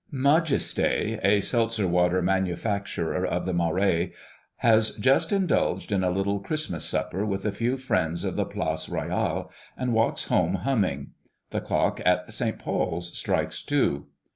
M. Majesté, a seltzer water manufacturer of the Marais, has just indulged in a little Christmas supper with a few friends of the Place Royale, and walks home humming. The clock at St. Paul's strikes two.